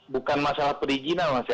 bukan masalah perizinan mas